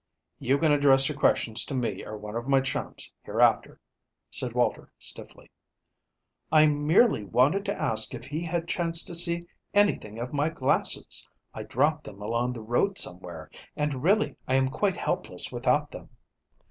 "You can address your questions to me or one of my chums, hereafter," said Walter stiffly. "I merely wanted to ask if he had chanced to see anything of my glasses. I dropped them along the road somewhere, and really I am quite helpless without them."